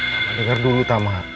tak mendengar dulu tamar